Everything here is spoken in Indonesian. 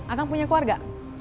akang punya keluarga